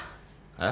えっ？